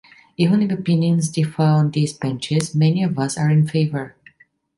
Even if opinions differ on these benches, many of us are in favor.